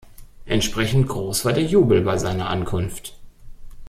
Entsprechend groß war der Jubel bei seiner Ankunft.